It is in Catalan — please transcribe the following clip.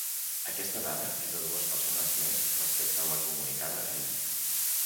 Aquesta dada és de dues persones més respecte a la comunicada ahir.